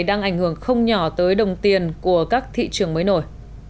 đang ảnh hưởng không nhỏ tới đồng tiền của các thị trường mới nổi